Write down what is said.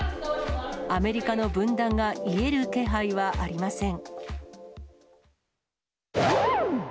アメリカの分断が癒える気配はありません。